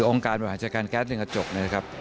องค์การบริหารจัดการแก๊สดึงกระจก